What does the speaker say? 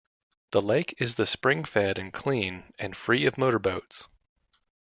The lake is the spring fed and clean and free of motor boats.